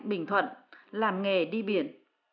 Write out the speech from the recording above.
bình thuận làm nghề đi biển